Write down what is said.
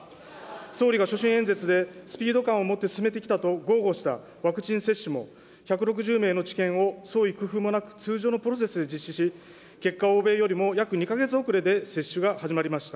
総理が所信演説でスピード感を持って進めてきたと豪語したワクチン接種も、１６０名の治験を創意工夫もなく、通常のプロセスで実施し、結果、欧米よりも約２か月遅れで接種が始まりました。